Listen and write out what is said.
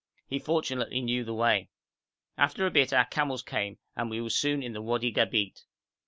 He fortunately knew the way. After a bit our camels came, and we were soon in the Wadi Gabeit.